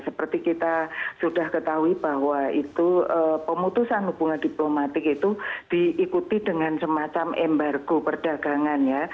seperti kita sudah ketahui bahwa itu pemutusan hubungan diplomatik itu diikuti dengan semacam embargo perdagangan ya